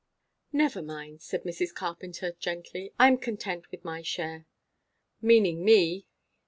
"Never mind," said Mrs. Carpenter gently. "I am content with my share." "Meaning me!"